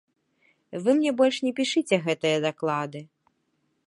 Вы мне больш не пішыце гэтыя даклады.